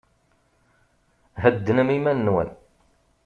Heddnem iman-nwen.